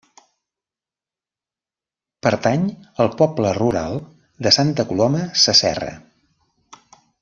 Pertany al poble rural de Santa Coloma Sasserra.